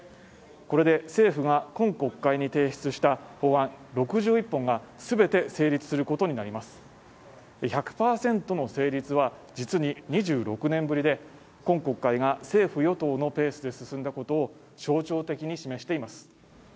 これで政府が今国会に提出した法案６１本がすべて成立することになります１００％の成立は実に２６年ぶりで今国会が政府与党のペースで進んだことを象徴的に示しています